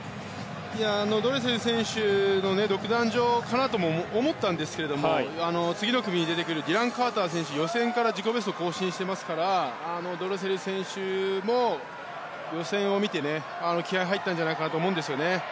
ドレセル選手の独壇場かなと思ったんですけれども次の組に出てくるディラン・カーター選手は予選から自己ベストを更新していますからドレセル選手も予選を見て、気合が入ったんじゃないかなと思うんですね。